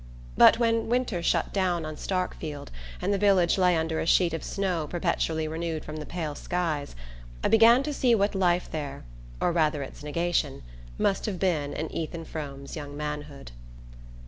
But when winter shut down on Starkfield and the village lay under a sheet of snow perpetually renewed from the pale skies, I began to see what life there or rather its negation must have been in Ethan Frome's young manhood.